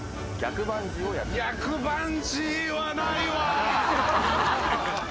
逆バンジーはないわ。